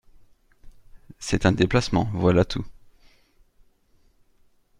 C’est un déplacement, voilà tout…